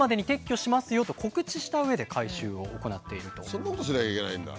そんなことしなきゃいけないんだ。